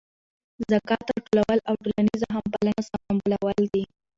ذکات راټولول او ټولنیزه همپالنه سمبالول دي.